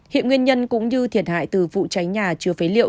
hiện nguyên nhân cũng như thiệt hại từ vụ cháy nhà chứa phế liệu